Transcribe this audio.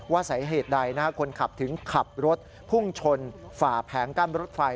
สาเหตุใดคนขับถึงขับรถพุ่งชนฝ่าแผงกั้นรถไฟ